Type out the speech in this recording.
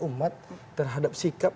umat terhadap sikap